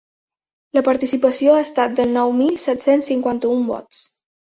La participació ha estat de nou mil set-cents cinquanta-un vots.